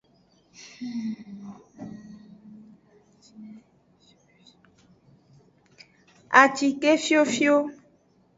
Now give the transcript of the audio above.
Acike fiofio.